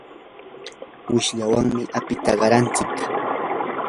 wishlawanmi apita qarantsik.